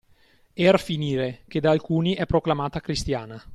Er finire che da alcuni è proclamata cristiana